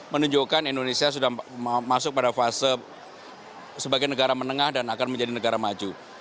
menunjukkan indonesia sudah masuk pada fase sebagai negara menengah dan akan menjadi negara maju